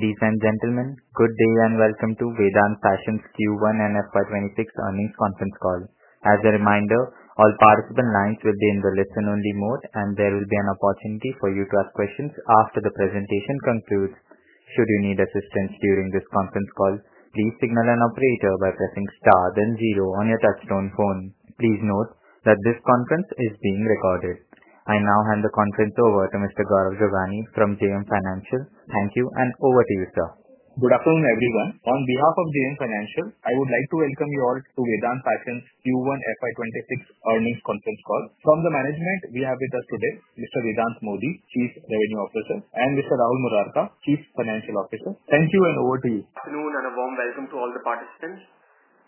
Ladies and gentlemen, good day and welcome to Vedant Fashions Q1 and FY26 earnings conference call. As a reminder, all participants' lines will be in the listen-only mode, and there will be an opportunity for you to ask questions after the presentation concludes. Should you need assistance during this conference call, please signal an operator by pressing star then zero on your touch-tone phone. Please note that this conference is being recorded. I now hand the conference over to Mr. Gaurav Jogani from JM Financial. Thank you, and over to you, sir. Good afternoon, everyone. On behalf of JM Financial, I would like to welcome you all to Vedant Fashions Q1 FY26 earnings conference call. From the management, we have with us today Mr. Vedant Modi, Chief Revenue Officer, and Mr. Rahul Murarka, Chief Financial Officer. Thank you, and over to you. Good afternoon and a warm welcome to all the participants.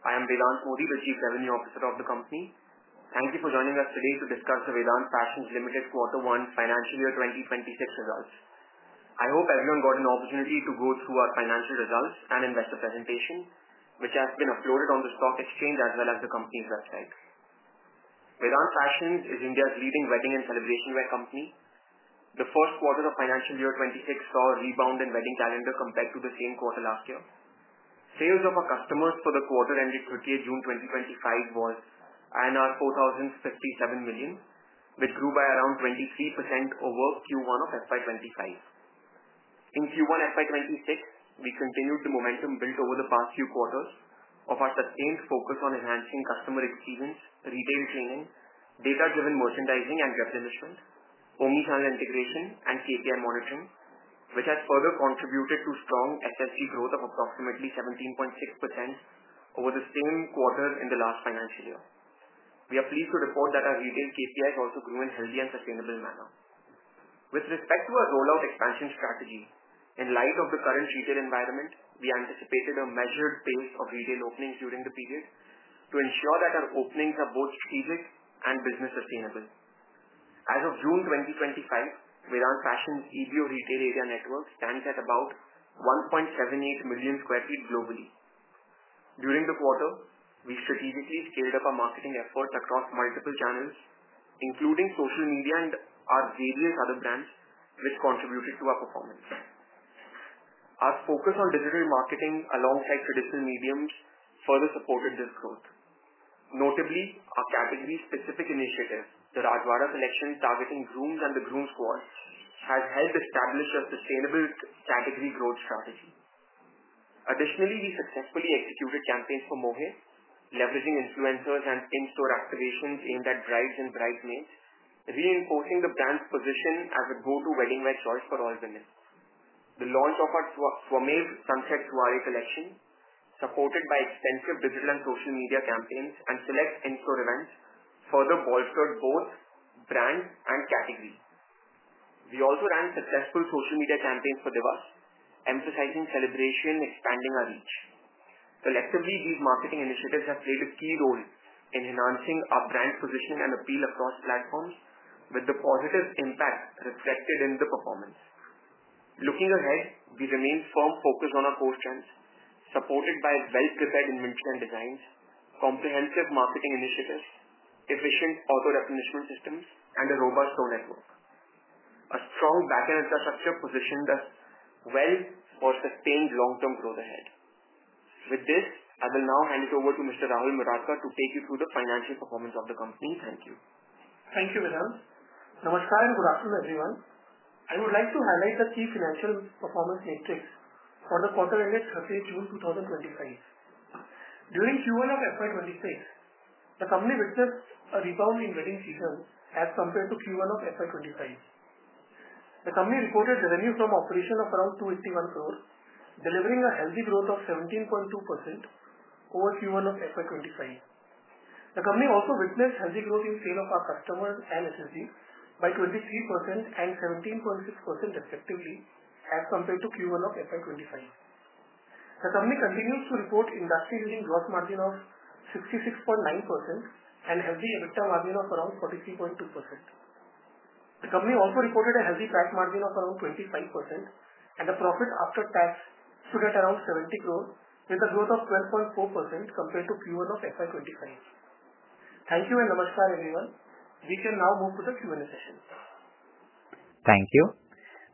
I am Vedant Modi, the Chief Revenue Officer of the company. Thank you for joining us today to discuss the Vedant Fashions Ltd quarter one financial year 2026 results. I hope everyone got an opportunity to go through our financial results and investor presentation, which has been uploaded on the stock exchange as well as the company's website. Vedant Fashions is India's leading wedding and celebration wear company. The first quarter of financial year 2026 saw a rebound in wedding calendar compared to the same quarter last year. Sales of our customers for the quarter ended June 30, 2025, was INR 4,057 million, which grew by around 23% over Q1 of FY25. In Q1 FY26, we continued the momentum built over the past few quarters of our sustained focus on enhancing customer experience, retail training, data-driven merchandising and replenishment, omnichannel integration, and KPI monitoring, which has further contributed to strong SSG growth of approximately 17.6% over the same quarter in the last financial year. We are pleased to report that our retail KPIs also grew in a healthy and sustainable manner. With respect to our rollout expansion strategy, in light of the current retail environment, we anticipated a measured pace of retail openings during the period to ensure that our openings are both strategic and business sustainable. As of June 2025, Vedant Fashions' EBO retail area network stands at about 1.78 million sq ft globally. During the quarter, we strategically scaled up our marketing efforts across multiple channels, including social media and our various other brands, which contributed to our performance. Our focus on digital marketing alongside traditional mediums further supported this growth. Notably, our category-specific initiative, the Rajwada collection targeting grooms and the groom squad, has helped establish a sustainable category growth strategy. Additionally, we successfully executed campaigns for Mohey, leveraging influencers and in-store activations aimed at brides and bridesmaids, reinforcing the brand's position as a go-to wedding wear choice for all women. The launch of our Twamev Sunset Soiree collection, supported by extensive digital and social media campaigns and select in-store events, further bolstered both brand and category. We also ran successful social media campaigns for Diwas, emphasizing celebration and expanding our reach. Collectively, these marketing initiatives have played a key role in enhancing our brand positioning and appeal across platforms, with the positive impact reflected in the performance. Looking ahead, we remain firmly focused on our core strengths, supported by well-prepared inventory and designs, comprehensive marketing initiatives, efficient auto-replenishment systems, and a robust store network. A strong backend infrastructure positioned us well for sustained long-term growth ahead. With this, I will now hand it over to Mr. Rahul Murarka to take you through the financial performance of the company. Thank you. Thank you, Vedant. Namaskar and good afternoon, everyone. I would like to highlight the key financial performance metrics for the quarter ended 30th June 2025. During Q1 of FY26, the company witnessed a rebound in wedding season as compared to Q1 of FY25. The company reported revenue from operations of around 251 crore, delivering a healthy growth of 17.2% over Q1 of FY25. The company also witnessed healthy growth in sales of our customers and SSG by 23% and 17.6% respectively as compared to Q1 of FY25. The company continues to report industry-leading gross margin of 66.9% and a healthy EBITDA margin of around 43.2%. The company also reported a healthy cash margin of around 25% and a profit after tax stood at around 70 crore, with a growth of 12.4% compared to Q1 of FY25. Thank you and namaskar, everyone. We can now move to the Q&A session. Thank you.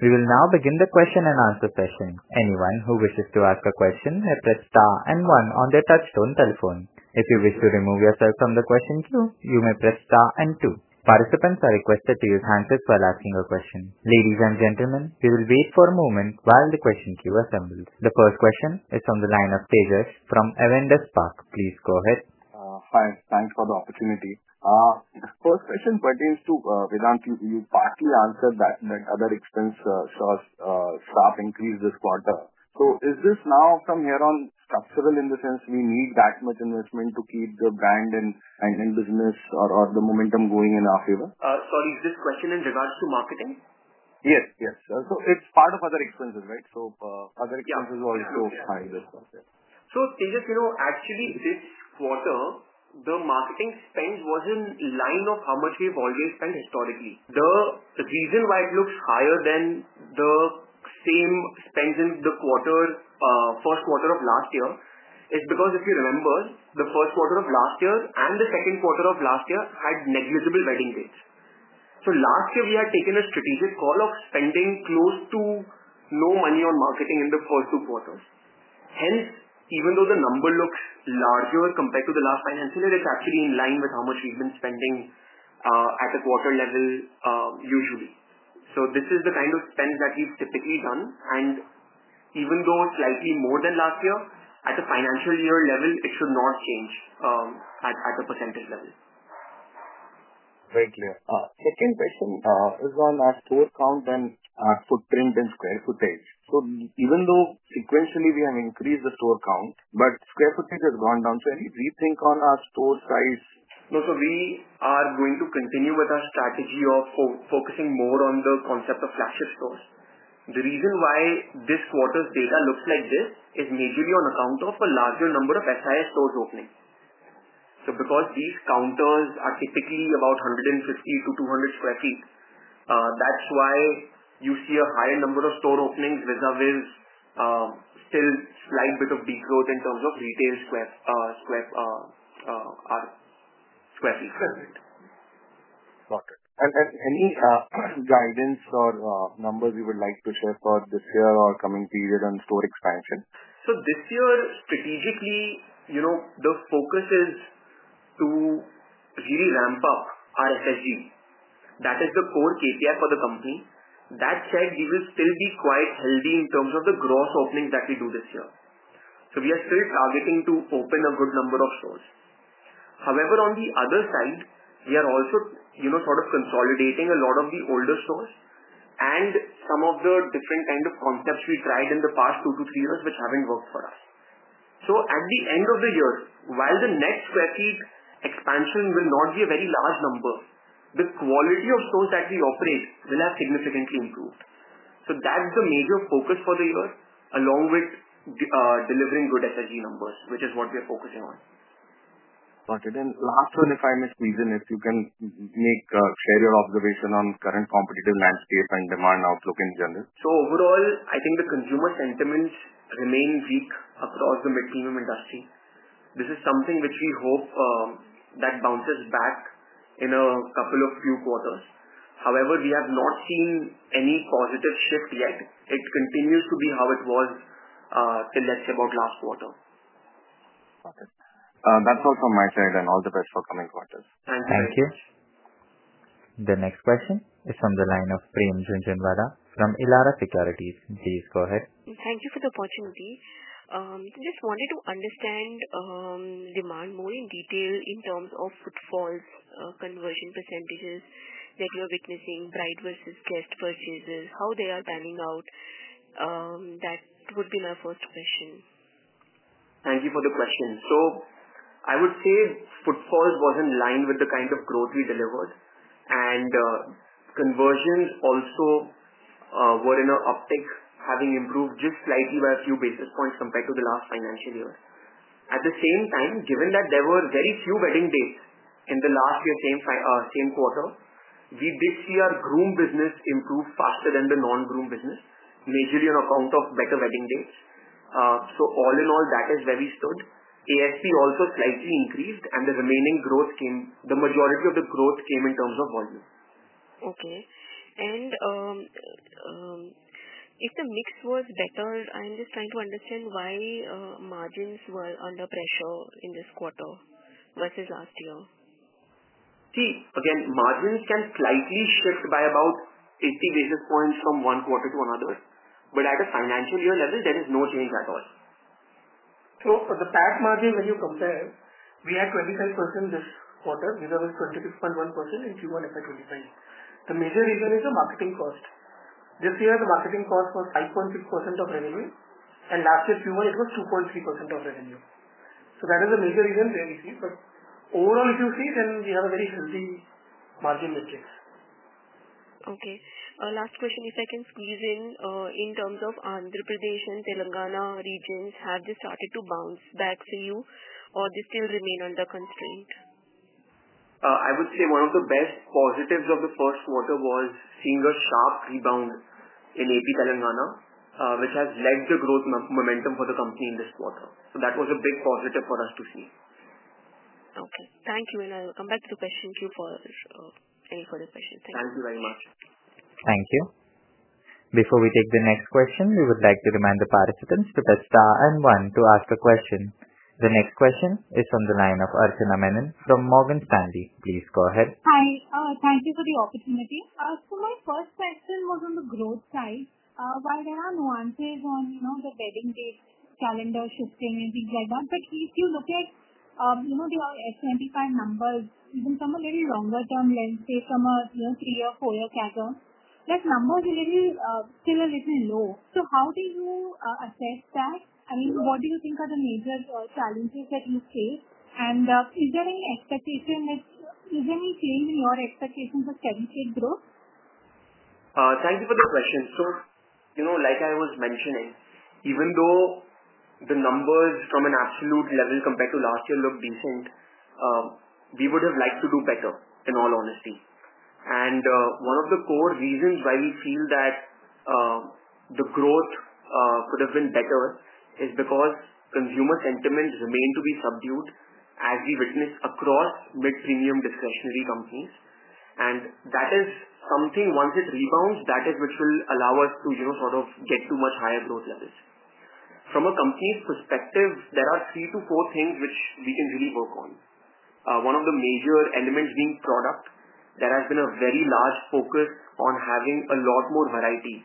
We will now begin the question and answer session. Anyone who wishes to ask a question may press star and one on their touch-tone telephone. If you wish to remove yourself from the question queue, you may press star and two. Participants are requested to use hands as well as asking a question. Ladies and gentlemen, we will wait for a moment while the question queue assembles. The first question is from the line of Tejas from Avendus Spark. Please go ahead. Hi, thanks for the opportunity. The first question pertains to Vedant. You partly answered that other expense shows staff increased this quarter. Is this now from here on structural in the sense we need that much investment to keep the brand and business or the momentum going in our favor? Sorry, is this question in regards to marketing? Yes, yes. It's part of other expenses, right? Other expenses will also highlight this one. Tejas, you know, actually this quarter the marketing spend was in line with how much we've always spent historically. The reason why it looks higher than the same spend in the quarter, first quarter of last year is because, if you remember, the first quarter of last year and the second quarter of last year had negligible wedding dates. Last year we had taken a strategic call of spending close to no money on marketing in the first two quarters. Hence, even though the number looks larger compared to the last financial year, it's actually in line with how much we've been spending at a quarter level usually. This is the kind of spend that we've typically done. Even though it's slightly more than last year, at the financial year level, it should not change at the percentage level. Very clear. Second question is on our store count and our footprint and square footage. Even though sequentially we have increased the store count, square footage has gone down. Any rethink on our store size? No, sir, we are going to continue with our strategy of focusing more on the concept of flagship stores. The reason why this quarter's data looks like this is majorly on account of a larger number of SIS stores opening. These counters are typically about 150-200 sq ft, that's why you see a higher number of store openings vis-à-vis still a slight bit of degrowth in terms of retail sq ft. Got it. Any guidance or numbers you would like to share for this year or coming period on store expansion? This year, strategically, the focus is to really ramp up our SSG. That is the core KPI for the company. That said, we will still be quite healthy in terms of the gross openings that we do this year. We are still targeting to open a good number of stores. However, on the other side, we are also consolidating a lot of the older stores and some of the different kinds of concepts we tried in the past two to three years, which haven't worked for us. At the end of the year, while the net sq ft expansion will not be a very large number, the quality of stores that we operate will have significantly improved. That's the major focus for the year, along with delivering good SSG numbers, which is what we are focusing on. Got it. Last one, if I may, please, if you can share your observation on current competitive landscape and demand outlook in general. Overall, I think the consumer sentiments remain weak across the mid-premium industry. This is something which we hope that bounces back in a couple of few quarters. However, we have not seen any positive shift yet. It continues to be how it was till, let's say, about last quarter. Got it. That's all from my side, and all the best for coming quarters. Thank you. Thank you. The next question is from the line of Prerna Jhunjhunwala from Elara Securities. Please go ahead. Thank you for the opportunity. I just wanted to understand demand more in detail in terms of footfalls, conversion percentages that you are witnessing, bride versus guest purchases, how they are panning out. That would be my first question. Thank you for the question. I would say footfalls was in line with the kind of growth we delivered, and conversions also were in an uptick, having improved just slightly by a few basis points compared to the last financial year. At the same time, given that there were very few wedding dates in the last year, same quarter, we did see our groom business improve faster than the non-groom business, majorly on account of better wedding dates. All in all, that is where we stood. ASP also slightly increased, and the majority of the growth came in terms of volume. Okay. If the mix was better, I'm just trying to understand why margins were under pressure in this quarter versus last year. See, again, margins can slightly shift by about 80 basis points from one quarter to another, but at a financial year level, there is no change at all. For the PAT margin, when you compare, we had 25% this quarter, vis-à-vis 26.1% in Q1 FY 2025. The major reason is the marketing cost. This year, the marketing cost was 5.6% of revenue, and last year Q1, it was 2.3% of revenue. That is the major reason where we see. Overall, if you see, then we have a very healthy margin metrics. Okay. Last question, if I can squeeze in, in terms of Andhra Pradesh and Telangana regions, have they started to bounce back for you, or do they still remain under constraint? I would say one of the best positives of the first quarter was seeing a sharp rebound in Andhra Pradesh and Telangana, which has led to growth momentum for the company in this quarter. That was a big positive for us to see. Okay. Thank you. I'll come back to the question queue for any further questions. Thank you. Thank you very much. Thank you. Before we take the next question, we would like to remind the participants to press star and one to ask a question. The next question is from the line of Archana Menon from Morgan Stanley. Please go ahead. Hi. Thank you for the opportunity. My first question was on the growth side. While there are nuances on the wedding date calendar shifting and things like that, if you look at your SSG numbers, even from a little longer term, let's say from a three-year, four-year category, that number is still a little low. How do you assess that? I mean, what do you think are the major challenges that you face? Is there any expectation, is there any change in your expectations of carrying shape growth? Thank you for the question. Like I was mentioning, even though the numbers from an absolute level compared to last year look decent, we would have liked to do better, in all honesty. One of the core reasons why we feel that the growth could have been better is because consumer sentiments remain to be subdued as we witness across mid-premium discretionary companies. That is something, once it rebounds, which will allow us to sort of get to much higher growth levels. From a company's perspective, there are three to four things which we can really work on. One of the major elements being product, there has been a very large focus on having a lot more variety.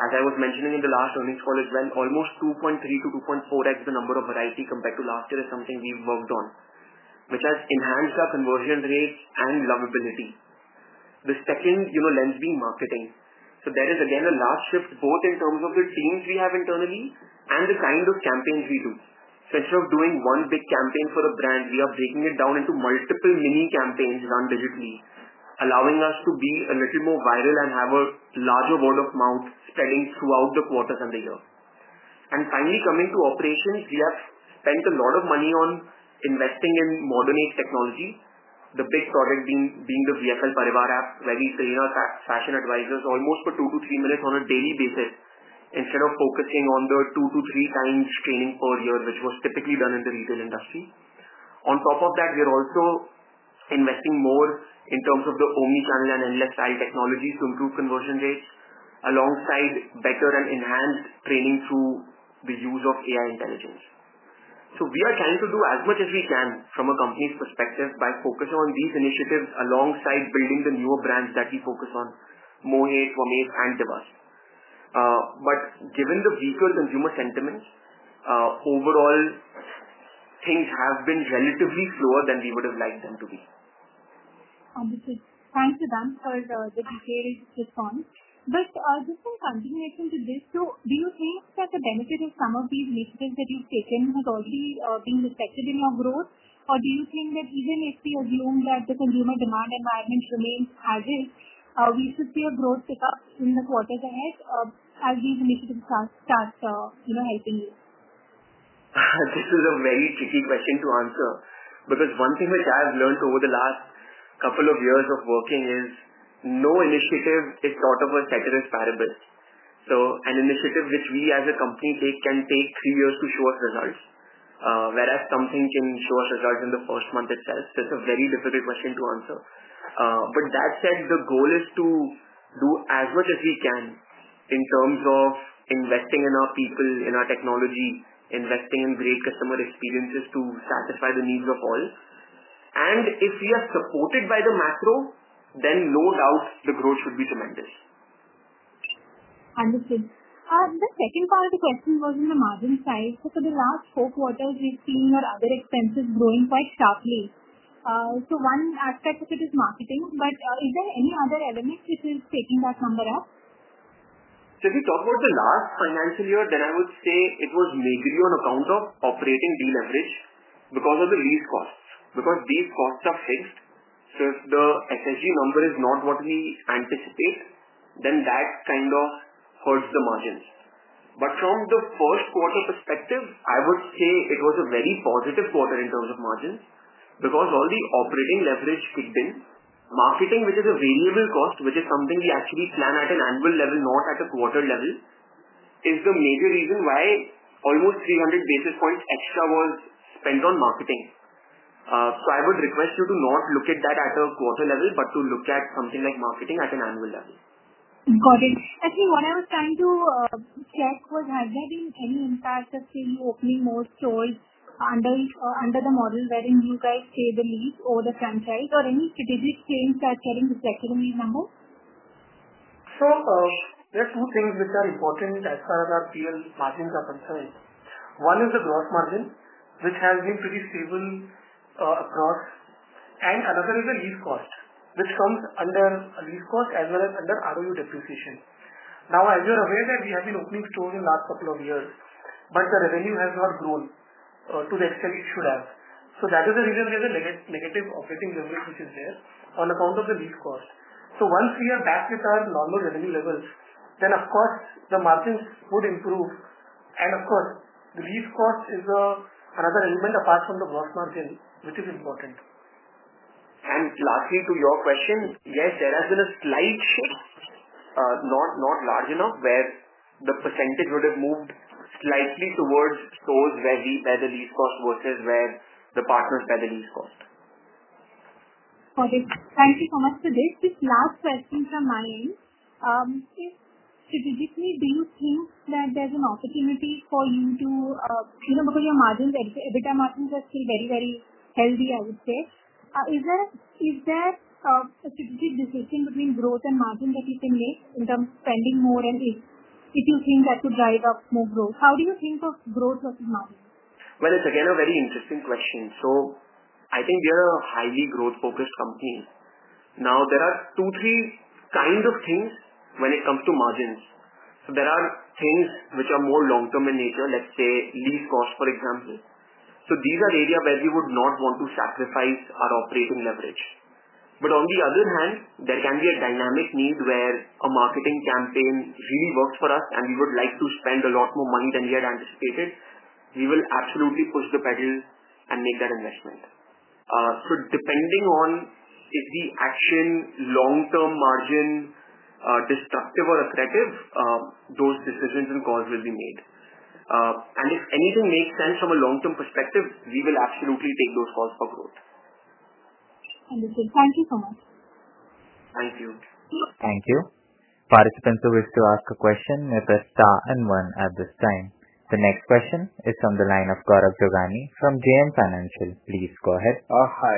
As I was mentioning in the last earnings call as well, almost 2.3x-2.4x the number of variety compared to last year is something we've worked on, which has enhanced our conversion rates and lovability. The second lens being marketing. There is, again, a large shift both in terms of the teams we have internally and the kind of campaigns we do. Instead of doing one big campaign for a brand, we are breaking it down into multiple mini campaigns run digitally, allowing us to be a little more viral and have a larger word of mouth spreading throughout the quarters and the year. Finally, coming to operations, we have spent a lot of money on investing in modern age technology, the big product being the VFL Parivaar app, where we train our fashion advisors almost for two to three minutes on a daily basis instead of focusing on the two to three times training per year, which was typically done in the retail industry. On top of that, we're also investing more in terms of the omnichannel and endless style technologies to improve conversion rates alongside better and enhanced training through the use of AI intelligence. We are trying to do as much as we can from a company's perspective by focusing on these initiatives alongside building the newer brands that we focus on: Mohey, Twamev, and Diwas. Given the weaker consumer sentiments, overall, things have been relatively slower than we would have liked them to be. Understood. Thank you, Dan, for the detailed response. Just in continuation to this, do you think that the benefit of some of these initiatives that you've taken has already been reflected in your growth? Do you think that even if we assume that the consumer demand environment remains as is, we should see a growth pickup in the quarters ahead as these initiatives start helping you? This is a very tricky question to answer because one thing which I have learned over the last couple of years of working is no initiative is thought of as set as fireballs. An initiative which we as a company take can take three years to show us results, whereas something can show us results in the first month itself. It's a very difficult question to answer. That said, the goal is to do as much as we can in terms of investing in our people, in our technology, investing in great customer experiences to satisfy the needs of all. If we are supported by the macro, then no doubt the growth should be tremendous. Understood. The second part of the question was on the margin side. For the last four quarters, we've seen our other expenses growing quite sharply. One aspect of it is marketing, but is there any other element which is shaking that number up? If we talk about the last financial year, I would say it was majorly on account of operating de-leverage because of the lease costs, because these costs are fixed. If the SSG number is not what we anticipate, that kind of hurts the margins. From the first quarter perspective, I would say it was a very positive quarter in terms of margins because all the operating leverage kicked in. Marketing, which is a variable cost, which is something we actually plan at an annual level, not at a quarter level, is the major reason why almost 300 basis points extra was spent on marketing. I would request you to not look at that at a quarter level, but to look at something like marketing at an annual level. Got it. What I was trying to check was has there been any impact of, say, you opening more stores under the model wherein you guys pay the lease or the franchise? Or any strategic change that's helping to set you in this economy now? Sure. There are two things which are important as far as our PL margins are concerned. One is the gross margin, which has been pretty stable across. Another is the lease cost, which comes under a lease cost as well as under ROU depreciation. Now, as you're aware, we have been opening stores in the last couple of years, but the revenue has not grown to the extent it should have. That is the reason there's a negative operating leverage which is there on account of the lease cost. Once we are back with our normal revenue levels, of course, the margins would improve. The lease cost is another element apart from the gross margin, which is important. Lastly, to your question, yes, there has been a slight shift, not large enough, where the percentage would have moved slightly towards stores where we bear the lease cost versus where the partners bear the lease cost. Got it. Thank you so much for this. This last question from my end is, strategically, do you think that there's an opportunity for you to, you know, because your margins, EBITDA margins are still very, very healthy, I would say. Is there a strategic decision between growth and margin that you can make in terms of spending more? If you think that could drive up more growth, how do you think of growth versus margin? It's, again, a very interesting question. I think we are a highly growth-focused company. There are two, three kinds of things when it comes to margins. There are things which are more long-term in nature, let's say lease cost, for example. These are areas where we would not want to sacrifice our operating leverage. On the other hand, there can be a dynamic need where a marketing campaign really works for us and we would like to spend a lot more money than we had anticipated. We will absolutely push the pedal and make that investment. Depending on if the action long-term margin is destructive or attritive, those decisions and calls will be made. If anything makes sense from a long-term perspective, we will absolutely take those calls for growth. Understood. Thank you so much. Thank you. Thank you. Participants who wish to ask a question may press star and one at this time. The next question is from the line of Gaurav Jogani from JM Financial. Please go ahead. Hi.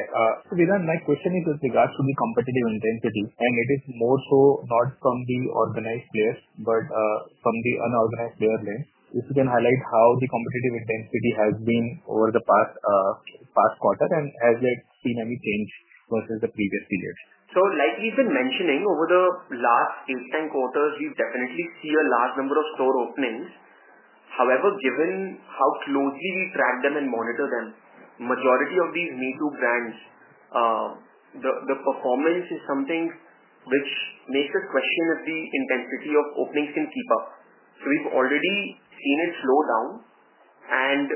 Vedant, my question is with regards to the competitive intensity, and it is more so not from the organized players, but from the unorganized player lane. If you can highlight how the competitive intensity has been over the past quarter and has it seen any change versus the previous period. Like we've been mentioning, over the last 8-10 quarters, we've definitely seen a large number of store openings. However, given how closely we track them and monitor them, the majority of these Me-too brands, the performance is something which makes us question if the intensity of openings can keep up. We've already seen it slow down, and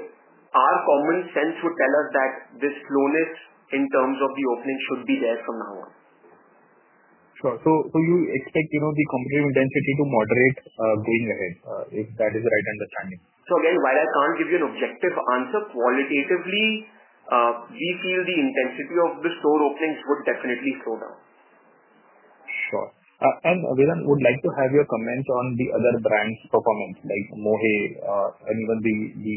our common sense would tell us that this slowness in terms of the opening should be there from now on. Sure. You expect, you know, the competitive intensity to moderate going ahead, if that is the right understanding? While I can't give you an objective answer, qualitatively, we feel the intensity of the store openings would definitely slow down. Sure. Vedant, would like to have your comment on the other brand's performance, like Mohey and even the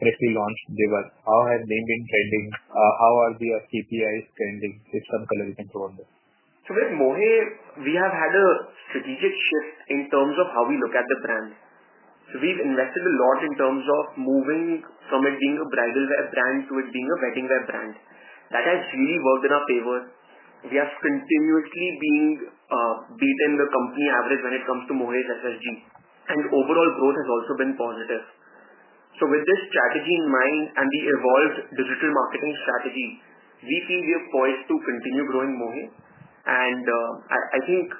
freshly launched Diwas. How have they been trending? How are their KPIs trending? If some color you can throw on this. With Mohey, we have had a strategic shift in terms of how we look at the brand. We've invested a lot in terms of moving from it being a bridalwear brand to it being a weddingwear brand. That has really worked in our favor. We are continuously beating the company average when it comes to Mohey SSG, and overall growth has also been positive. With this strategy in mind and the evolved digital marketing strategy, we feel we are poised to continue growing Mohey. I think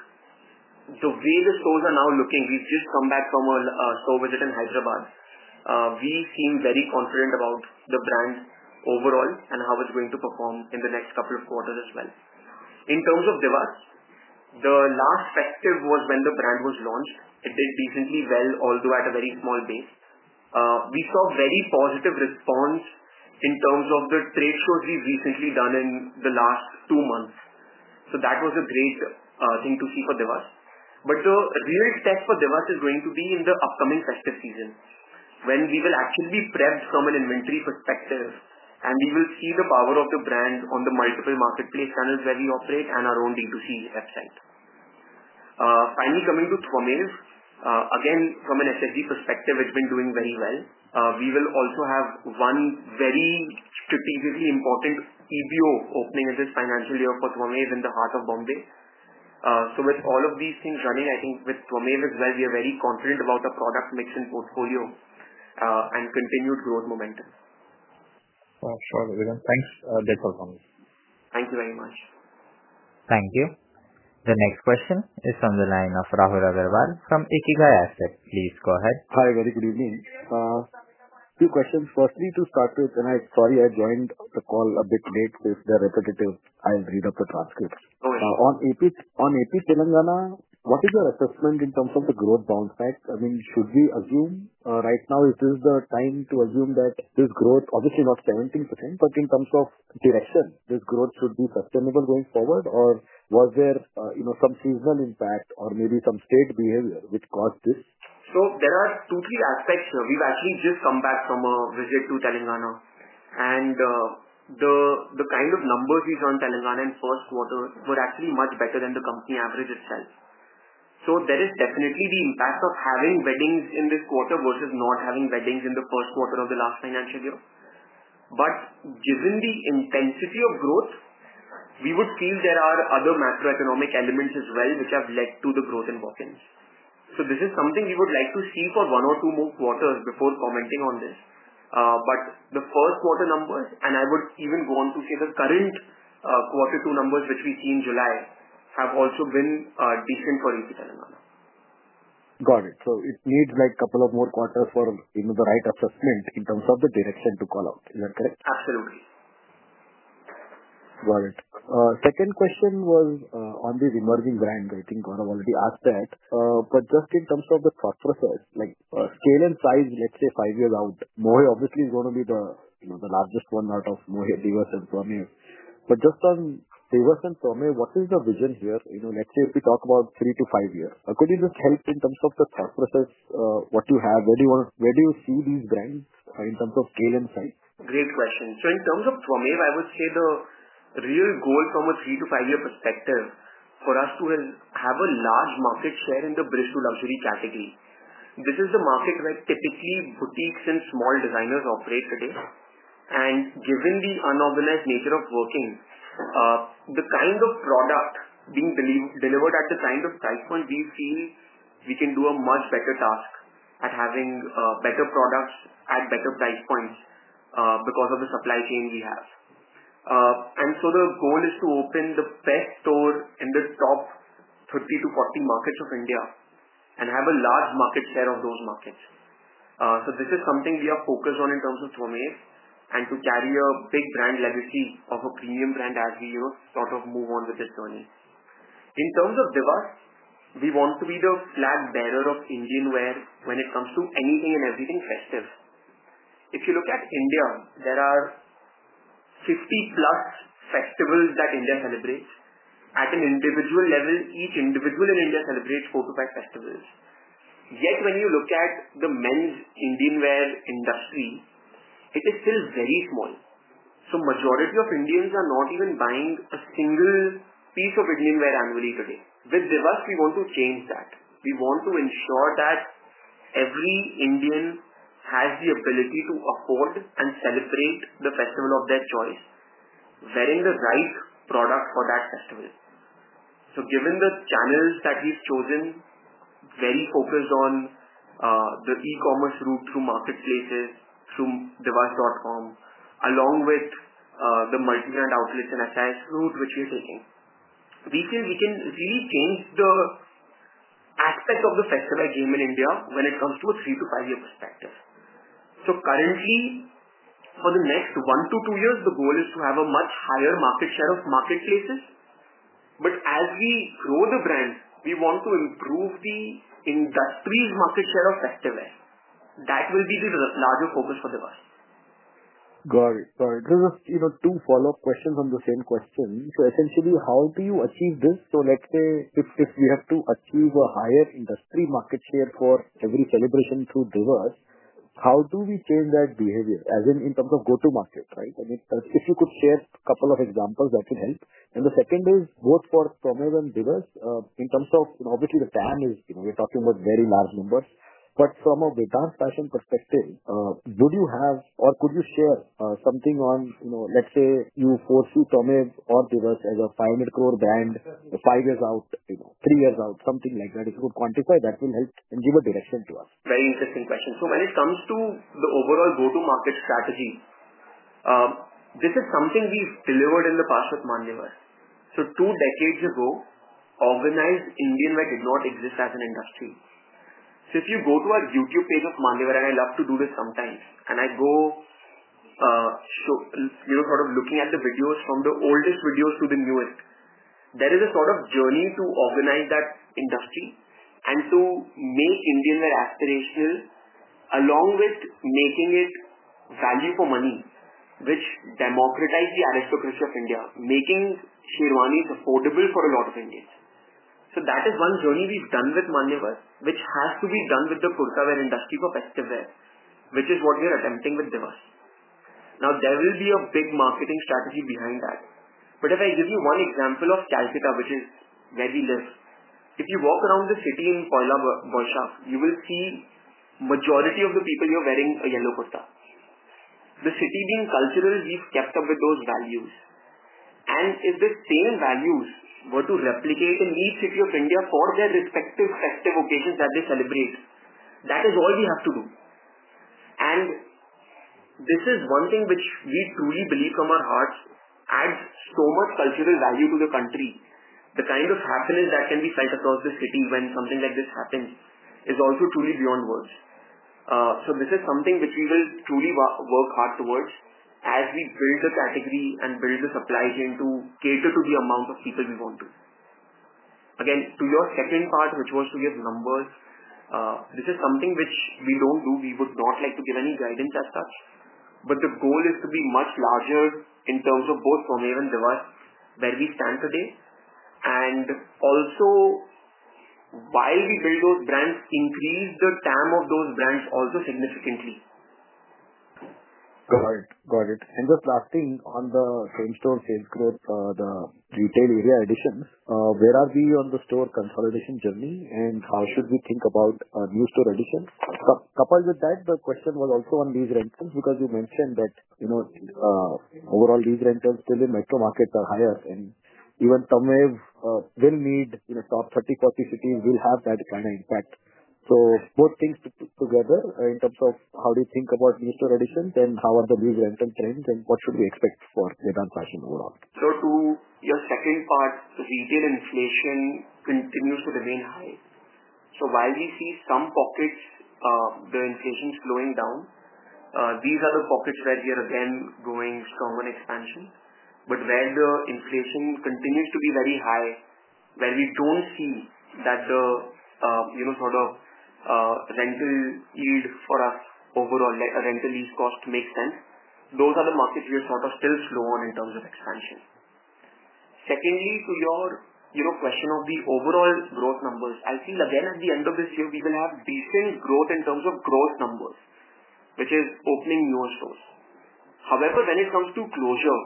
the way the stores are now looking, we've just come back from a store visit in Hyderabad, we seem very confident about the brand overall and how it's going to perform in the next couple of quarters as well. In terms of Diwas, the last perspective was when the brand was launched. It did decently well, although at a very small base. We saw a very positive response in terms of the trade shows we've recently done in the last two months. That was a great thing to see for Diwas. The real test for Diwas is going to be in the upcoming festive season when we will actually be prepped from an inventory perspective, and we will see the power of the brand on the multiple marketplace channels where we operate and our own D2C website. Finally, coming to Twamev, again, from an SSG perspective, it's been doing very well. We will also have one very strategically important EBO opening in this financial year for Twamev in the heart of Bombay. With all of these things running, I think with Twamev as well, we are very confident about the product mix and portfolio, and continued growth momentum. Sure, Vedant. Thanks a bit for coming. Thank you very much. Thank you. The next question is from the line of Rahul Agarwal from Ikigai Asset. Please go ahead. Hi, very good evening. A few questions. Firstly, to start with, and I'm sorry I joined the call a bit late, so if they're repetitive, I'll read up the transcripts. On Andhra Pradesh, Telangana, what is your assessment in terms of the growth bounce back? I mean, should we assume right now, is this the time to assume that this growth, obviously not 17%, but in terms of direction, this growth should be sustainable going forward? Was there, you know, some seasonal impact or maybe some state behavior which caused this? There are two, three aspects here. We've actually just come back from a visit to Telangana. The kind of numbers we saw in Telangana in the first quarter were actually much better than the company average itself. There is definitely the impact of having weddings in this quarter versus not having weddings in the first quarter of the last financial year. Given the intensity of growth, we would feel there are other macroeconomic elements as well which have led to the growth in bookings. This is something we would like to see for one or two more quarters before commenting on this. The first quarter numbers, and I would even go on to say the current quarter two numbers which we see in July, have also been decent for Telangana. Got it. It needs a couple of more quarters for the right assessment in terms of the direction to call out. Is that correct? Absolutely. Got it. Second question was, on these emerging brands. I think Gaurav already asked that, but just in terms of the thought process, like, scale and size, let's say five years out, Mohey obviously is going to be the, you know, the largest one out of Mohey, Diwas, and Twamev. Just on Diwas and Twamev, what is the vision here? You know, let's say if we talk about three to five years, could you just help in terms of the thought process, what you have, where do you want to, where do you see these brands in terms of scale and size? Great question. In terms of Twamev, I would say the real goal from a three to five-year perspective for us is to have a large market share in the British luxury category. This is the market where typically boutiques and small designers operate today. Given the unorganized nature of working, the kind of product being delivered at the kind of price point, we feel we can do a much better task at having better products at better price points because of the supply chain we have. The goal is to open the best store in the top 30-40 markets of India and have a large market share of those markets. This is something we are focused on in terms of Twamev and to carry a big brand legacy of a premium brand as we sort of move on with this journey. In terms of Diwas, we want to be the flag bearer of Indian wear when it comes to anything and everything festive. If you look at India, there are 50+ festivals that India celebrates. At an individual level, each individual in India celebrates four to five festivals. Yet when you look at the men's Indian wear industry, it is still very small. The majority of Indians are not even buying a single piece of Indian wear annually today. With Diwas, we want to change that. We want to ensure that every Indian has the ability to afford and celebrate the festival of their choice, wearing the right product for that festival. Given the channels that we've chosen, very focused on the e-commerce route through marketplaces, through diwas.com, along with the multi-brand outlets and affairs route which we're taking, we feel we can really change the aspect of the festival agreement in India when it comes to a three to five-year perspective. Currently, for the next one to two years, the goal is to have a much higher market share of marketplaces. As we grow the brand, we want to improve the industry's market share of festive wear. That will be the larger focus for Diwas. Got it. Just two follow-up questions on the same question. Essentially, how do you achieve this? Let's say if we have to achieve a higher industry market share for every celebration through Diwas, how do we change that behavior in terms of go-to-market, right? If you could share a couple of examples, that would help. The second is both for Twamev and Diwas, in terms of, you know, obviously the TAM is, you know, we're talking about very large numbers. From a Vedant Fashions Limited perspective, would you have or could you share something on, you know, let's say you foresee Twamev or Diwas as an 500 crore brand five years out, you know, three years out, something like that? If you could quantify, that will help and give a direction to us. Very interesting question. When it comes to the overall go-to market strategy, this is something we've delivered in the past with Manyavar. Two decades ago, organized Indian wear did not exist as an industry. If you go to our YouTube page of Manyavar, and I love to do this sometimes, and I go, you know, sort of looking at the videos from the oldest videos to the newest, there is a sort of journey to organize that industry and to make Indian wear aspirational along with making it value for money, which democratized the aristocracy of India, making sherwani affordable for a lot of Indians. That is one journey we've done with Manyavar, which has to be done with the kurta wear industry for festive wear, which is what we are attempting with Diwas. There will be a big marketing strategy behind that. If I give you one example of Calcutta, which is where we live, if you walk around the city in Poila Boishakh, you will see the majority of the people here wearing a yellow kurta. The city being cultural, we've kept up with those values. If the same values were to replicate in each city of India for their respective festive occasions that they celebrate, that is all we have to do. This is one thing which we truly believe from our hearts adds so much cultural value to the country. The kind of happiness that can be felt across the city when something like this happens is also truly beyond words. This is something which we will truly work hard towards as we build the category and build the supply chain to cater to the amount of people we want to. Again, to your second part, which was to give numbers, this is something which we don't do. We would not like to give any guidance as such. The goal is to be much larger in terms of both Twamev and Diwas where we stand today. Also, while we build those brands, increase the TAM of those brands also significantly. Got it. Got it. Just last thing, on the same-store sales growth, the retail area additions, where are we on the store consolidation journey? How should we think about new store additions? Coupled with that, the question was also on lease rentals because you mentioned that, you know, overall lease rentals still in metro markets are higher. Even Twamev will need, you know, top 30-40 cities will have that kind of impact. Both things together in terms of how do you think about new store additions and how are the lease rental trends and what should we expect for Vedant Fashions overall? To your second part, the retail inflation continues to remain high. While we see some pockets where the inflation is slowing down, these are the pockets where we are again growing stronger expansion. Where the inflation continues to be very high, where we don't see that the rental yield for us overall, like a rental lease cost, makes sense, those are the markets we are still slow on in terms of expansion. Secondly, to your question of the overall growth numbers, I feel again at the end of this year, we will have decent growth in terms of growth numbers, which is opening newer stores. However, when it comes to closure,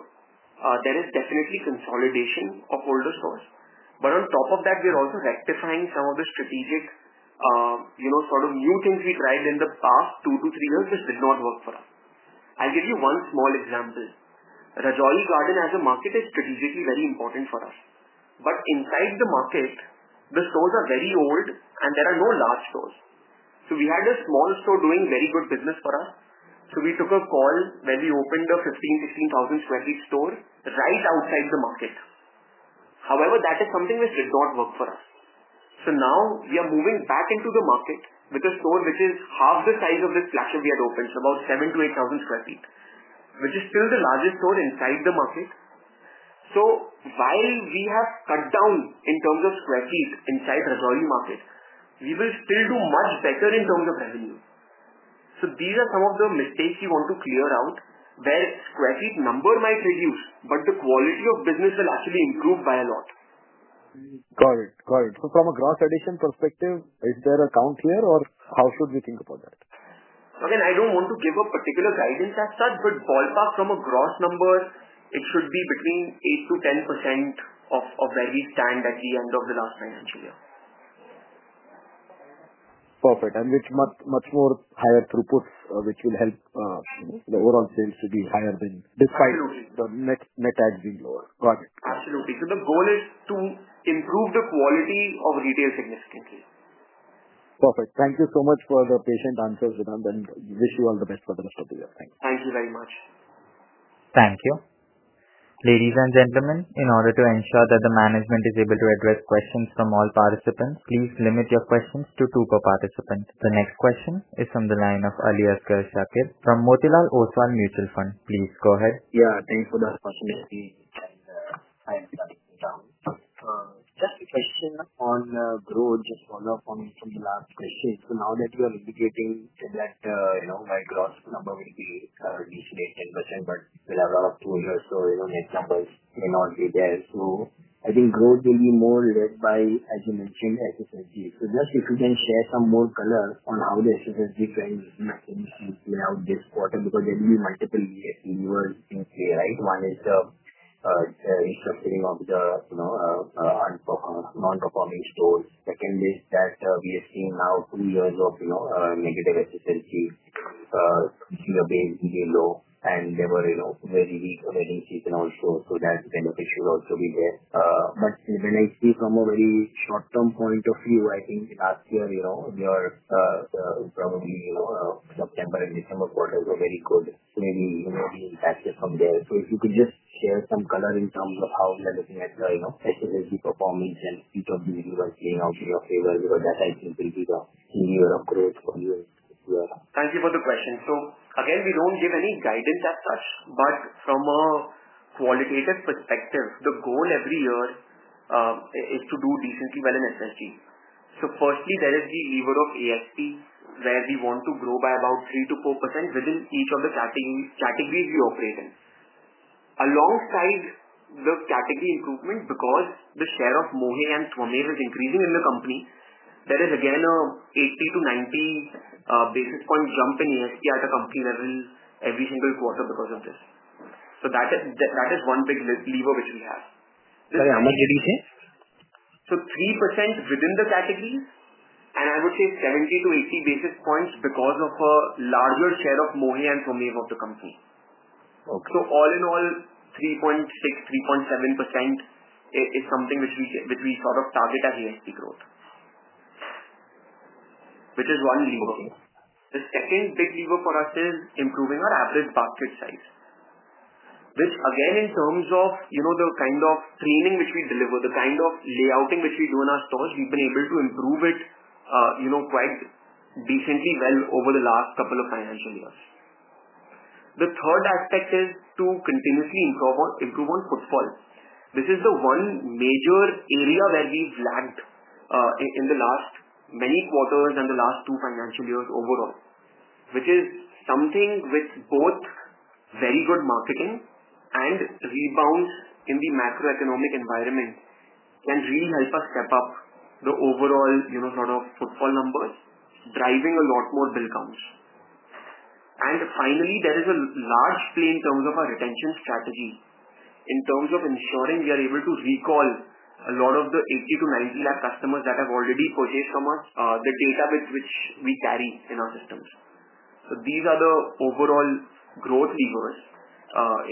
there is definitely consolidation of older stores. On top of that, we are also rectifying some of the strategic new things we tried in the past two to three years which did not work for us. I'll give you one small example. Rajouri Garden as a market is strategically very important for us. Inside the market, the stores are very old and there are no large stores. We had a small store doing very good business for us. We took a call where we opened a 15,000-16,000 sq ft store right outside the market. That is something which did not work for us. Now we are moving back into the market with a store which is half the size of this flagship we had opened, so about 7,000-8,000 sq ft, which is still the largest store inside the market. While we have cut down in terms of square feet inside Rajouri market, we will still do much better in terms of revenue. These are some of the mistakes we want to clear out where square feet number might reduce, but the quality of business will actually improve by a lot. Got it. Got it. From a gross addition perspective, is there a count here or how should we think about that? Again, I don't want to give a particular guidance as such, but ballpark from a gross number, it should be between 8%-10% of where we stand at the end of the last financial year. Perfect. With much more higher throughput, which will help the overall sales to be higher than despite the net adds being lower. Got it. Absolutely, the goal is to improve the quality of retail significantly. Perfect. Thank you so much for the patient answers, Vedant, and wish you all the best for the rest of the year. Thank you very much. Thank you. Ladies and gentlemen, in order to ensure that the management is able to address questions from all participants, please limit your questions to two per participant. The next question is from the line of Aliasgar Shakir from Motilal Oswal Mutual Fund. Please go ahead. Yeah, thanks for the opportunity. I am starting from town. Just a question on growth, just follow up on the last question. Now that we are indicating that, you know, by gross number, we'll be at least 8%-10%, but we'll have a lot of tool here, so you know net numbers may not be there. I think growth will be more led by, as you mentioned, SSG. If you can share some more color on how the SSG trends might be seen throughout this quarter because there will be multiple key words in here, right? One is the restructuring of the, you know, non-performing stores. Second is that we have seen now two years of, you know, negative SSG. We are basically below and there were, you know, very weak wedding season also, so that benefit should also be there. When I see from a very short-term point of view, I think last year, you know, we are probably, you know, September and December quarters were very good. Maybe, you know, the impact is from there. If you could just share some color in terms of how we are looking at the, you know, SSG performance and each of these weeks being out in your favor, you know, that I think will be the key year of growth for you and your. Thank you for the question. Again, we don't give any guidance as such, but from a qualitative perspective, the goal every year is to do decently well in SSG. Firstly, there is the lever of ASP where we want to grow by about 3% to 4% within each of the categories we operate in. Alongside the category improvement, because the share of Mohey and Twamev is increasing in the company, there is again an 80-90 basis point jump in ASP at the company level every single quarter because of this. That is one big lever which we have. Sorry, how much did you say? 3% within the categories and I would say 70-80 basis points because of a larger share of Mohey and Twamev of the company. All in all, 3.6%-3.7% is something which we sort of target as ASP growth, which is one lever. The second big lever for us is improving our average basket size, which again, in terms of the kind of training which we deliver, the kind of layouting which we do in our stores, we've been able to improve it quite decently well over the last couple of financial years. The third aspect is to continuously improve on footfall. This is the one major area where we've lagged in the last many quarters and the last two financial years overall, which is something with both very good marketing and rebounds in the macroeconomic environment can really help us step up the overall footfall numbers, driving a lot more bill counts. Finally, there is a large play in terms of our retention strategy, in terms of ensuring we are able to recall a lot of the 80-90 lakh customers that have already purchased from us, the data with which we carry in our systems. These are the overall growth levers,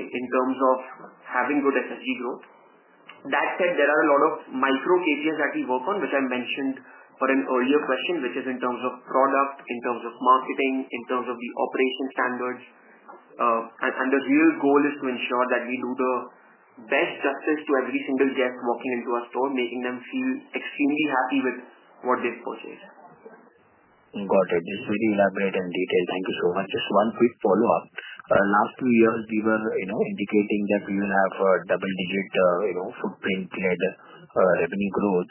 in terms of having good SSG growth. That said, there are a lot of micro KPIs that we work on, which I mentioned for an earlier question, which is in terms of product, in terms of marketing, in terms of the operation standards. The real goal is to ensure that we do the best justice to every single guest walking into our store, making them feel extremely happy with what they've purchased. Got it. Please elaborate in detail. Thank you so much. Just one quick follow-up. Last two years, we were indicating that we will have a double-digit footprint-led revenue growth.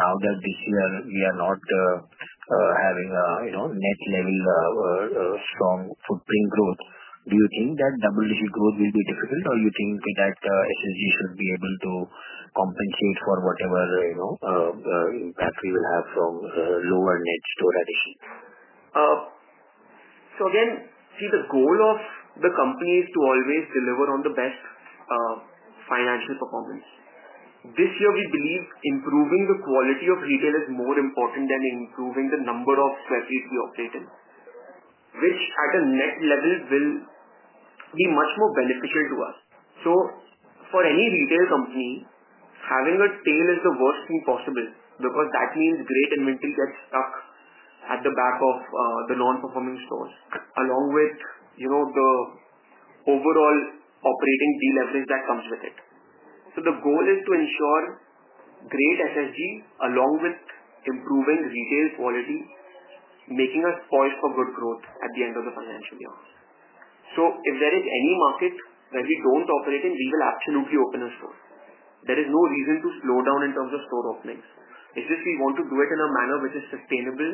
Now that this year we are not having a net level strong footprint growth, do you think that double-digit growth will be difficult, or do you think that SSG should be able to compensate for whatever impact we will have from a lower net store addition? The goal of the company is to always deliver on the best financial performance. This year, we believe improving the quality of retail is more important than improving the number of sweatshirts we update in, which at a net level will be much more beneficial to us. For any retail company, having a tail is the worst thing possible because that means great inventory gets stuck at the back of the non-performing stores along with the overall operating fee leverage that comes with it. The goal is to ensure great SSG along with improving retail quality, making us poised for good growth at the end of the financial year. If there is any market where we don't operate in, we will absolutely open a store. There is no reason to slow down in terms of store openings. We just want to do it in a manner which is sustainable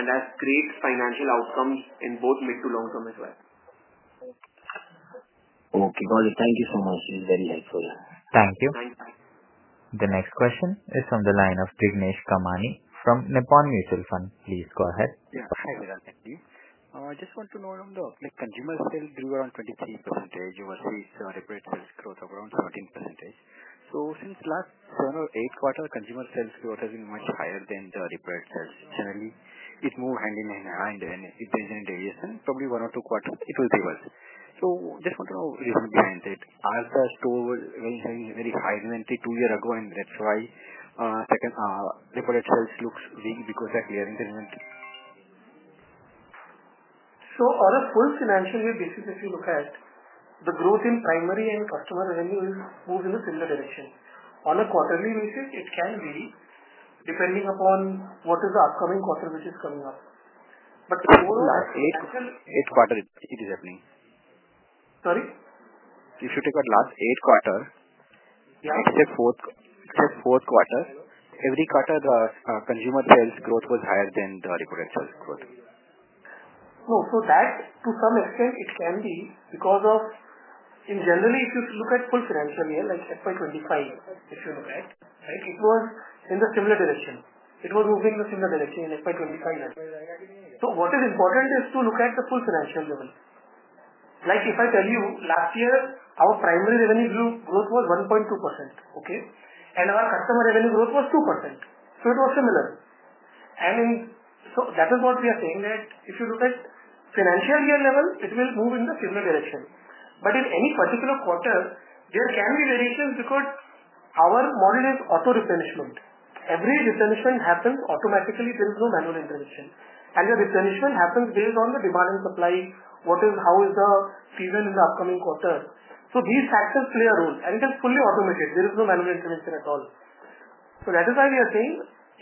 and has great financial outcomes in both mid to long term as well. Okay, got it. Thank you so much. This is very helpful. Thank you. Thank you. The next question is from the line of Jignesh Kamani from Nippon Mutual Fund. Please go ahead. Yes, hi, Vedant. Thank you. I just want to know on the consumer sales grew around 23%. You must see reported sales growth of around 14%. Since last seven or eight quarters, consumer sales growth has been much higher than the reported sales. Generally, it moved hand in hand, and if there is any variation, probably one or two quarters it will reverse. I just want to know the reason behind it. As the store was having very high inventory two years ago, that's why reported sales look weak because of clearing the inventory? On a full financial year basis, if you look at the growth in primary and customer revenue, it moves in a similar direction. On a quarterly basis, it can be depending upon what is the upcoming quarter which is coming up. The goal of. Last eight quarters, it is happening. Sorry? If you take out last eight quarters, except fourth quarter, every quarter the consumer sales growth was higher than the separate sales growth. No, so that to some extent it can be because of, in general, if you look at full financial year, like FY 2025, if you look at it, right, it was in the similar direction. It was moving in the similar direction in FY 2025. What is important is to look at the full financial level. Like if I tell you last year our primary revenue growth was 1.2%, okay? Our customer revenue growth was 2%. It was similar. That is what we are saying that if you look at financial year level, it will move in the similar direction. In any particular quarter, there can be variations because our model is auto-replenishment. Every replenishment happens automatically. There is no manual intervention. The replenishment happens based on the demand and supply, what is, how is the season in the upcoming quarter. These factors play a role. It is fully automated. There is no manual intervention at all. That is why we are saying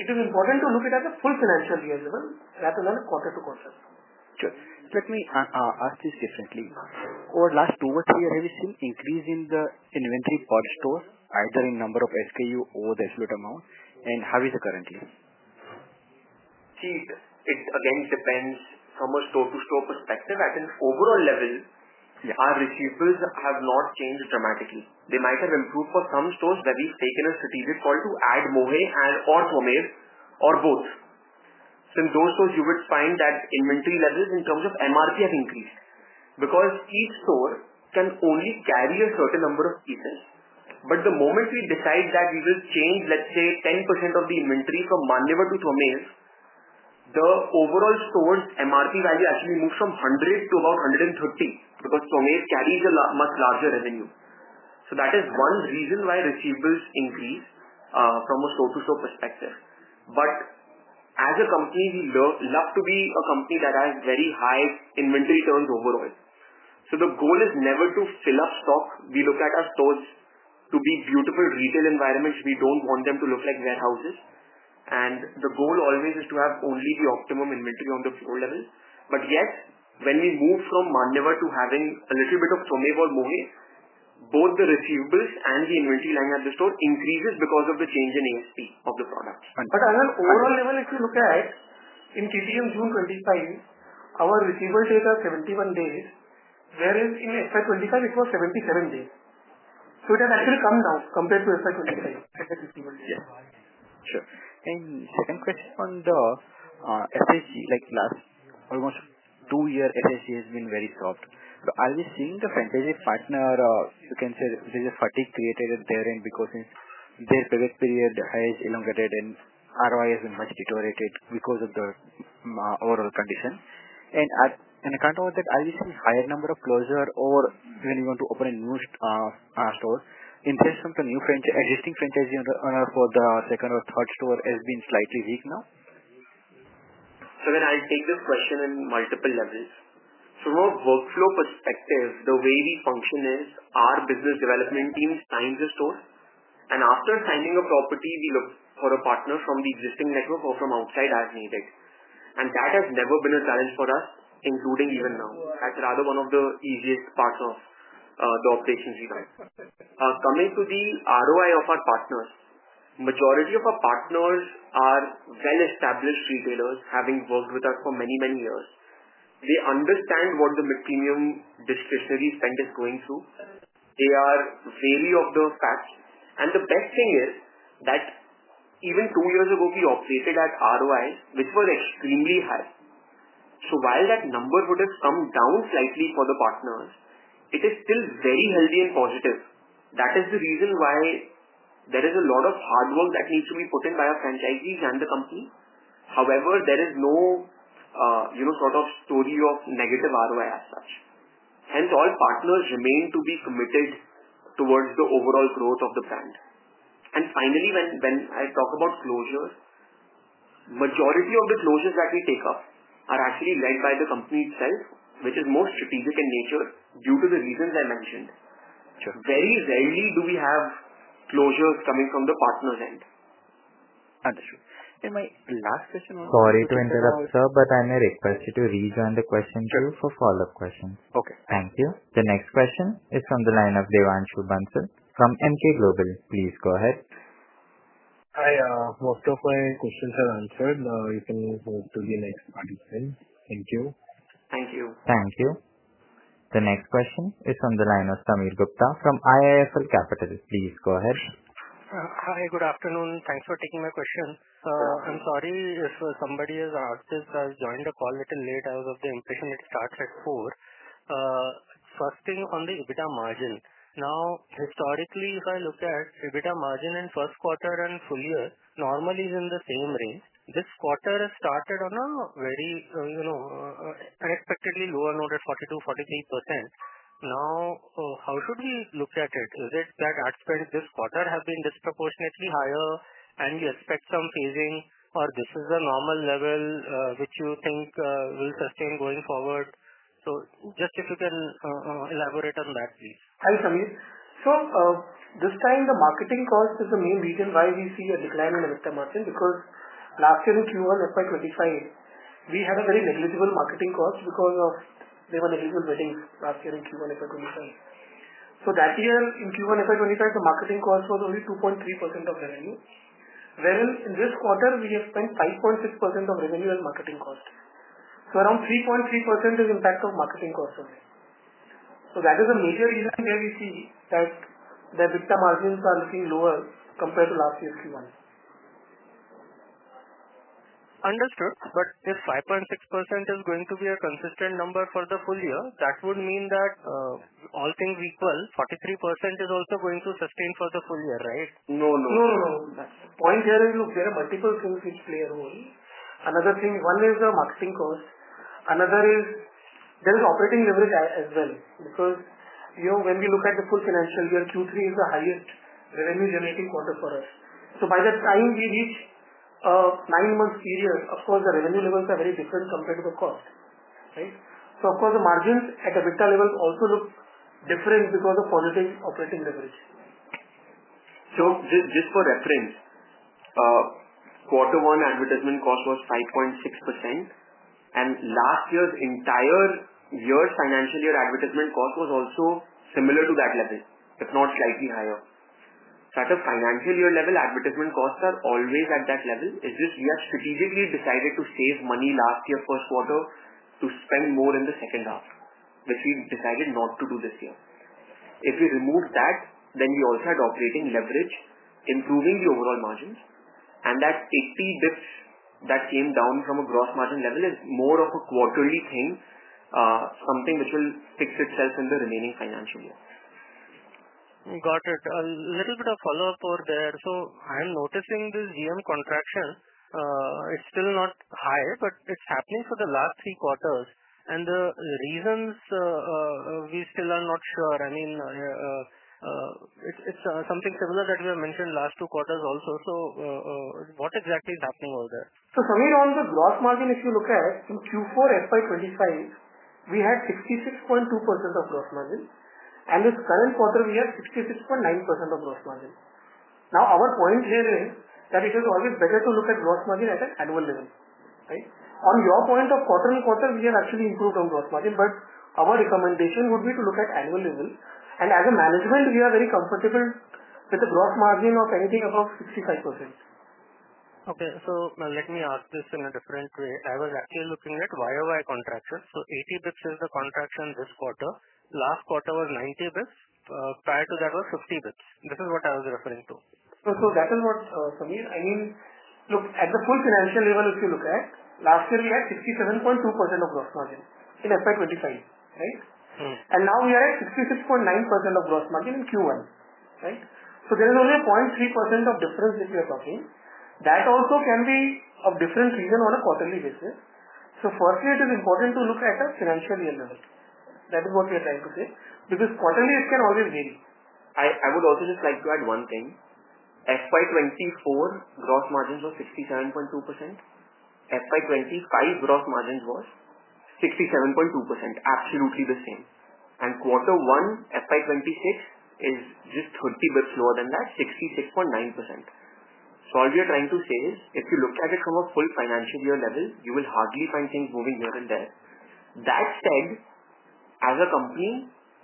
it is important to look at the full financial year level rather than quarter to quarter. Sure. Let me ask this differently. Over the last two or three years, have you seen an increase in the inventory for stores, either in number of SKU or the absolute amount? How is it currently? See, it again depends from a store-to-store perspective. At an overall level, our receivables have not changed dramatically. They might have improved for some stores where we've taken a strategic call to add Mohey and/or Twamev or both. In those stores, you would find that inventory levels in terms of MRP have increased because each store can only carry a certain number of pieces. The moment we decide that we will change, let's say, 10% of the inventory from Manyavar to Twamev, the overall store's MRP value actually moves from 100 to about 130 because Twamev carries a much larger revenue. That is one reason why receivables increase from a store-to-store perspective. As a company, we love to be a company that has very high inventory turns overall. The goal is never to fill up stock. We look at our stores to be beautiful retail environments. We don't want them to look like warehouses. The goal always is to have only the optimum inventory on the floor level. Yes, when we move from Manyavar to having a little bit of Twamev or Mohey, both the receivables and the inventory line at the store increases because of the change in ASP of the product. On an overall level, if you look at in TTM June 2025, our receivable days is 71 days. Whereas in FY 2025, it was 77 days. It has actually come down compared to FY 2025 at the [receivable days]. Sure. Second question on the SSG. Like last almost two years, SSG has been very soft. Are we seeing the franchise partner, you can say there's a fatigue created at their end because their pivot period has elongated and ROI has been much deteriorated because of the overall condition? On account of that, are we seeing a higher number of closure or when we want to open a new store, interest from the new existing franchisee owner for the second or third store has been slightly weak now. I'll take this question in multiple levels. From a workflow perspective, the way we function is our business development team signs a store. After signing a property, we look for a partner from the existing network or from outside as needed. That has never been a challenge for us, including even now. That's rather one of the easiest parts of the operations we've had. Coming to the ROI of our partners, the majority of our partners are well-established retailers having worked with us for many, many years. They understand what the mid-premium discretionary spend is going through. They are wary of the facts. The best thing is that even two years ago, we operated at ROI, which was extremely high. While that number would have come down slightly for the partners, it is still very healthy and positive. That is the reason why there is a lot of hard work that needs to be put in by our franchisees and the company. However, there is no sort of story of negative ROI as such. Hence, all partners remain to be committed towards the overall growth of the brand. Finally, when I talk about closures, the majority of the closures that we take up are actually led by the company itself, which is more strategic in nature due to the reasons I mentioned. Very rarely do we have closures coming from the partners' end. Understood. My last question was. Sorry to interrupt, sir, but I may request you to rejoin the question queue for follow-up questions. Okay. Thank you. The next question is from the line of Devanshu Bansal from Emkay Global. Please go ahead. Hi. Most of my questions are answered. We can move on to the next participant. Thank you. Thank you. Thank you. The next question is from the line of Sameer Gupta from IIFL Capital. Please go ahead. Hi. Good afternoon. Thanks for taking my question. I'm sorry if somebody is an artist who has joined the call a little late. I was of the impression it starts at [four]. First thing on the EBITDA margin. Now, historically, if I look at EBITDA margin in first quarter and full year, normally it's in the same range. This quarter has started on a very, you know, unexpectedly lower note at 42%-43%. Now, how should we look at it? Is it that ad spend this quarter has been disproportionately higher and we expect some phasing, or this is the normal level which you think will sustain going forward? If you can elaborate on that, please. Hi, Sameer. This time, the marketing cost is the main reason why we see a decline in EBITDA margin because last year in Q1 FY25, we had a very negligible marketing cost because there were negligible weddings last year in Q1 FY25. That year in Q1 FY25, the marketing cost was only 2.3% of revenue, whereas in this quarter, we have spent 5.6% of revenue as marketing cost. Around 3.3% is the impact of marketing costs only. That is a major reason where we see that the EBITDA margins are looking lower compared to last year's Q1. Understood. If 5.6% is going to be a consistent number for the full year, that would mean that all things equal, 43% is also going to sustain for the full year, right? No, no, no. No, no. Point here is, look, there are multiple things which play a role. Another thing, one is the marketing cost. Another is there is operating leverage as well because, you know, when we look at the full financial year, Q3 is the highest revenue-generating quarter for us. By the time we reach a nine-month period, of course, the revenue levels are very different compared to the cost, right? Of course, the margins at EBITDA levels also look different because of positive operating leverage. Just for reference, quarter one advertisement cost was 5.6%. Last year's entire year, financial year advertisement cost was also similar to that level, if not slightly higher. At the financial year level, advertisement costs are always at that level. We have strategically decided to save money last year first quarter to spend more in the second half, which we decided not to do this year. If we remove that, we also had operating leverage improving the overall margins. That 80 basis points that came down from a gross margin level is more of a quarterly thing, something which will fix itself in the remaining financial year. Got it. A little bit of follow-up over there. I'm noticing this GM contraction. It's still not high, but it's happening for the last three quarters. The reasons, we still are not sure. I mean, it's something similar that we have mentioned last two quarters also. What exactly is happening over there? On the gross margin, if you look at in Q4 FY 2025 we had 66.2% of gross margin. In this current quarter we have 66.9% of gross margin. Our point here is that it is always better to look at gross margin at an annual level, right? On your point of quarter on quarter, we have actually improved on gross margin, but our recommendation would be to look at annual level. As a management, we are very comfortable with the gross margin of anything above 65%. Okay, let me ask this in a different way. I was actually looking at YoY contraction. 80 basis points is the contraction this quarter. Last quarter was 90 basis points. Prior to that was 50 basis points. This is what I was referring to. That is what, Sameer, I mean, look, at the full financial level, if you look at last year we had 67.2% of gross margin in FY 2025, right? Now we are at 66.9% of gross margin in Q1, right? There is only a 0.3% difference which we are talking. That also can be of different reason on a quarterly basis. Firstly, it is important to look at the financial year level. That is what we are trying to say because quarterly it can always vary. I would also just like to add one thing. FY24, gross margins were 67.2%. FY25, gross margins were 67.2%. Absolutely the same. Quarter one, FY26, is just 30 basis points lower than that, 66.9%. All we are trying to say is if you look at it from a full financial year level, you will hardly find things moving here and there. That said, as a company,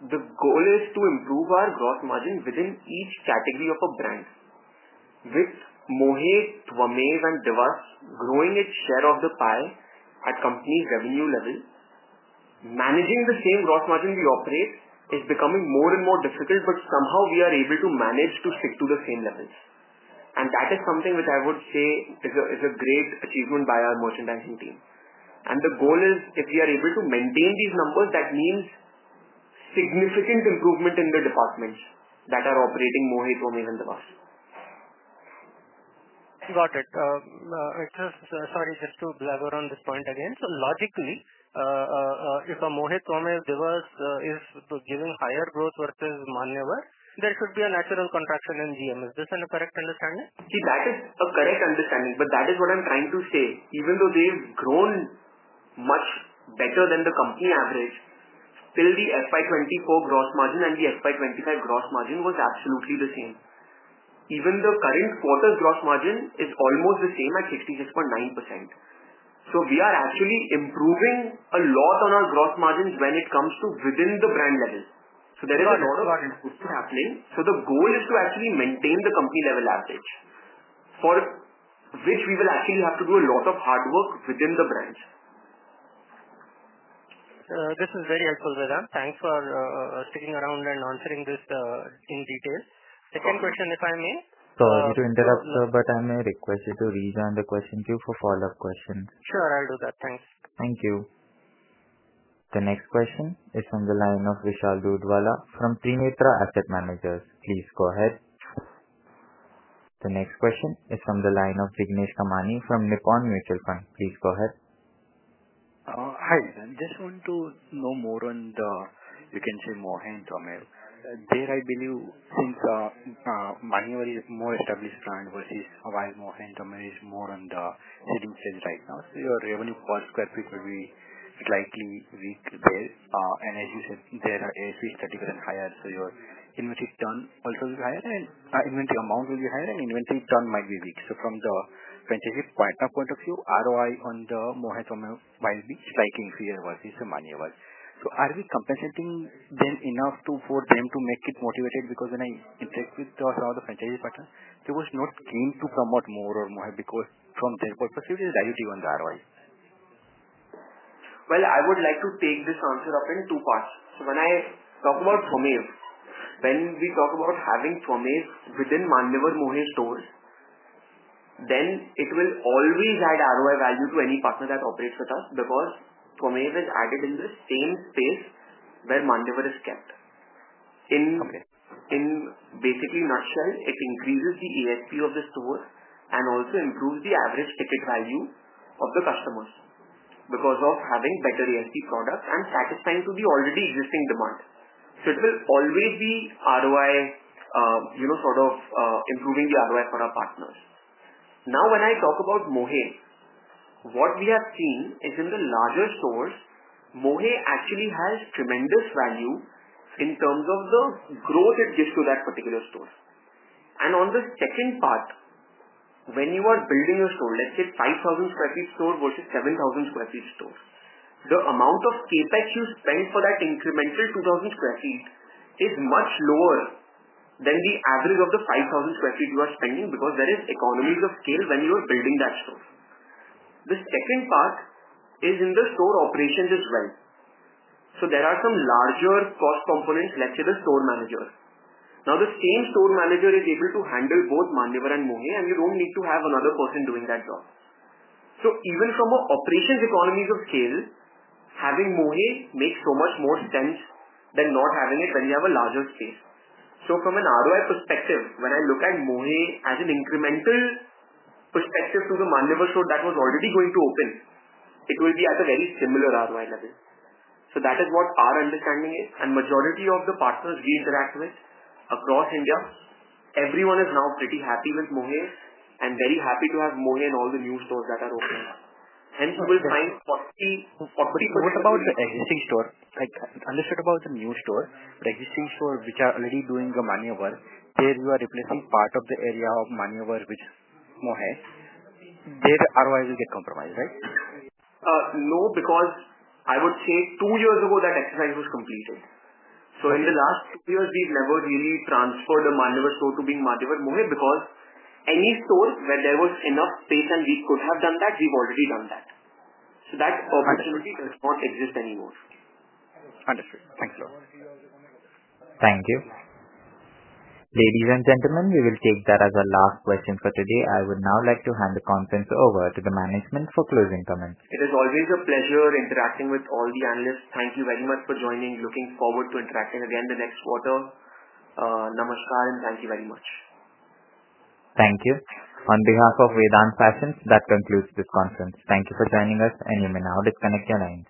the goal is to improve our gross margin within each category of a brand. With Mohey, Twamev, and Diwas growing its share of the pie at company revenue level, managing the same gross margin we operate is becoming more and more difficult, but somehow we are able to manage to stick to the same levels. That is something which I would say is a great achievement by our merchandising team. The goal is if we are able to maintain these numbers, that means a significant improvement in the departments that are operating Mohey, Twamev, and Diwas. Got it. Sorry, just to elaborate on this point again. Logically, if a Mohey, Twamev, Diwas is giving higher growth versus Manyavar, there should be a natural contraction in GM. Is this a correct understanding? See, that is a correct understanding, but that is what I'm trying to say. Even though they've grown much better than the company average, still the FY24 gross margin and the FY25 gross margin was absolutely the same. Even the current quarter's gross margin is almost the same at 66.9%. We are actually improving a lot on our gross margins when it comes to within the brand levels. There is a lot of other improvements happening. The goal is to actually maintain the company level average, for which we will actually have to do a lot of hard work within the brand. This is very helpful, Vedant. Thanks for sticking around and answering this in detail. Second question, if I may. Sorry to interrupt, sir, but I may request you to rejoin the question queue for follow-up questions. Sure, I'll do that. Thanks. Thank you. The next question is from the line of Vishal Dhudwala from Trinetra Asset Managers. Please go ahead. The next question is from the line of Jignesh Kamani from Nippon Mutual Fund. Please go ahead. Hi. I just want to know more on the, you can say, Mohey and Twamev. There I believe since Manyavar is a more established brand versus Mohey, Mohey and Twamev is more on the sitting sales right now. Your revenue per square foot will be slightly weak there. As you said, there are ASPs that are higher, so your inventory turn also will be higher, and inventory amount will be higher, and inventory turn might be weak. From the franchisee partner point of view, ROI on the Mohey and Twamev will be spiking for you versus the Manyavar. Are we compensating them enough for them to make it motivated? Because when I interact with some of the [franchising] partners, they were not keen to promote more or Mohey because from their perspective, it is diluted on the ROI. I would like to take this answer up in two parts. When I talk about Twamev, when we talk about having Twamev within Manyavar Mohey stores, then it will always add ROI value to any partner that operates with us because Twamev is added in the same space where Manyavar is kept. In basically a nutshell, it increases the ASP of the store and also improves the average ticket value of the customers because of having better ASP products and satisfying to the already existing demand. It will always be ROI, you know, sort of improving the ROI for our partners. Now, when I talk about Mohey, what we have seen is in the larger stores, Mohey actually has tremendous value in terms of the growth it gives to that particular store. On the second part, when you are building your store, let's say 5,000 sq ft store versus 7,000 sq ft store, the amount of CapEx you spend for that incremental 2,000 sq ft is much lower than the average of the 5,000 sq ft you are spending because there are economies of scale when you are building that store. The second part is in the store operations as well. There are some larger cost components, let's say the store manager. Now, the same store manager is able to handle both Manyavar and Mohey, and you don't need to have another person doing that job. Even from an operations economy of scale, having Mohey makes so much more sense than not having it when you have a larger space. From an ROI perspective, when I look at Mohey as an incremental perspective to the Manyavar store that was already going to open, it will be at a very similar ROI level. That is what our understanding is. The majority of the partners we interact with across India, everyone is now pretty happy with Mohey and very happy to have Mohey in all the new stores that are opening. Hence, you will find 40%. What about the existing store? Like I understood about the new store, but the existing store which is already doing the Manyavar, there you are replacing part of the area of Manyavar with Mohey. There the ROI will get compromised, right? No, because I would say two years ago that exercise was completed. In the last two years, we've never really transferred the Manyavar store to being Manyavar Mohey because any store where there was enough space and we could have done that, we've already done that. That opportunity does not exist anymore. Understood. Thank you. Thank you. Ladies and gentlemen, we will take that as the last question for today. I would now like to hand the conference over to the management for closing comments. It is always a pleasure interacting with all the analysts. Thank you very much for joining. Looking forward to interacting again the next quarter. Namaskar and thank you very much. Thank you. On behalf of Vedant Fashions, that concludes this conference. Thank you for joining us, and you may now disconnect your lines.